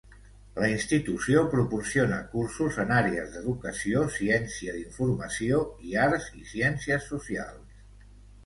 La institució proporciona cursos en àrees d'educació, ciència d'informació, i arts i ciències socials.